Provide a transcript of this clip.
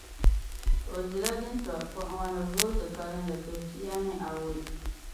O di la jintɔri kuɣu ŋɔ ni vooti kalinli tuhi pia ni awɔi.